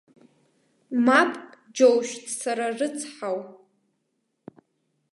Мап, џьоушьҭ, сара рыцҳау?